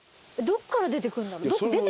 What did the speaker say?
どっから出てくんだろう。